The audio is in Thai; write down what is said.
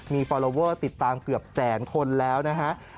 มีฟอลลอเวอร์ติดตามเกือบแสนคนแล้วนะฮะ